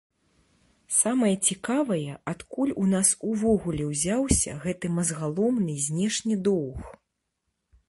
Самае цікавае, адкуль у нас увогуле ўзяўся гэты мазгаломны знешні доўг.